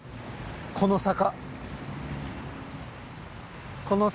この坂。